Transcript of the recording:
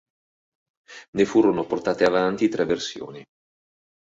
Ne furono portate avanti tre versioni.